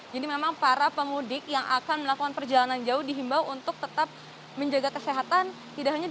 jadi memang para pemudik yang akan melakukan perjalanan jauh di himbau untuk tetap menjaga kesehatan